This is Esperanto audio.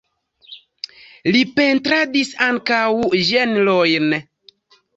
Li pentradis ankaŭ ĝenrojn.